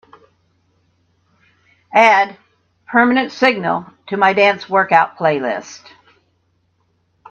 Add Permanent Signal to my dance workout playlist.